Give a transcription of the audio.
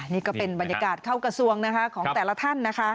นี่ก็เป็นบรรยากาศเข้ากระทรวงนะคะของแต่ละท่านนะคะ